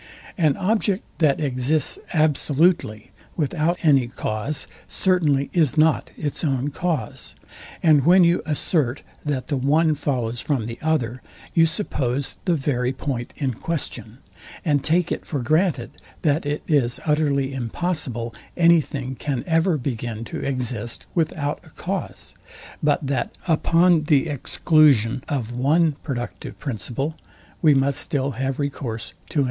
An object, that exists absolutely without any cause, certainly is not its own cause; and when you assert, that the one follows from the other, you suppose the very point in questions and take it for granted, that it is utterly impossible any thing can ever begin to exist without a cause, but that, upon the exclusion of one productive principle, we must still have recourse to another.